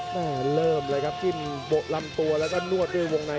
เริ่มเลยครับจิ้มโบะลำตัวแล้วก็นวดด้วยวงใน